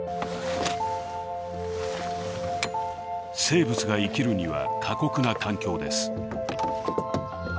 生物が生きるには過酷な環境です。